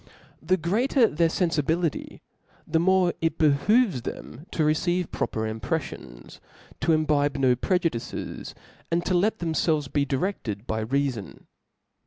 The greater their ienfibilicy, the more it behoves them to receive proper im preifions, to imbibe no prejudices, and .to let themfslvcs be direfted by reafon.